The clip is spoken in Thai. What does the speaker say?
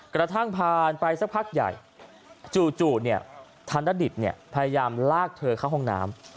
กระทั่งผ่านไปสักพักใหญ่จู่ธนดิตพยายามลากเธอเข้าห้องน้ำ